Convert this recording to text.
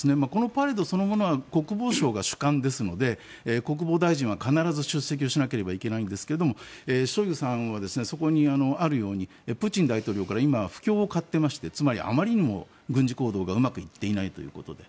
パレードそのものは国防省が主管ですので国防大臣は必ず出席しなければいけないんですがショイグさんはそこにあるようにプーチン大統領から今、不興を買っていましてつまり、あまりにも軍事行動がうまくいってないということで。